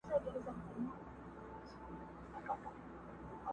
هم له غله هم داړه مار سره یې کار وو٫